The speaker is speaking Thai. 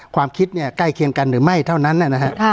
ความคิดใกล้เคียงกันหรือไม่เท่านั้น